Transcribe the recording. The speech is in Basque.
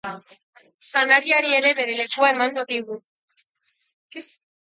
Janariari ere bere lekua emango digu.